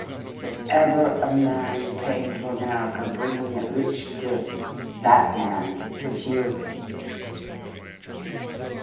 If ever a man came to America bringing it rich gifts, that man was you!"